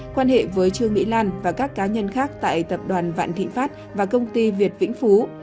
quan hệ với trương mỹ lan và các cá nhân khác tại tập đoàn vạn thị pháp và công ty việt vĩnh phú